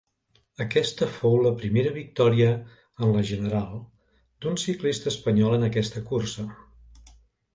Aquesta fou la primera victòria en la general d'un ciclista espanyol en aquesta cursa.